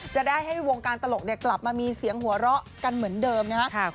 จะได้ให้วงการตลกกลับมามีเสียงหัวเราะกันเหมือนเดิมนะครับ